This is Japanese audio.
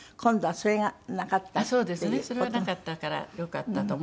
それはなかったからよかったと思いますまだ。